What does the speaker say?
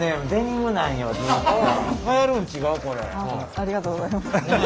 ありがとうございます。